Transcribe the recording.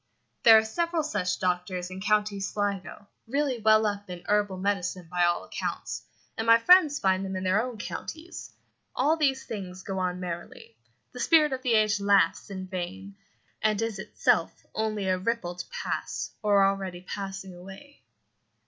There are several such doctors in County Sligo, really well up in herbal medicine by all accounts, and my friends find them in their own counties. All these things go on merrily. The spirit of the age laughs in vain, and is itself only a ripple to pass, or already passing, away.